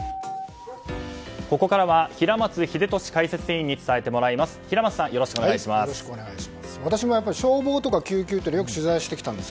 ここからは平松秀敏解説委員に伝えてもらいます。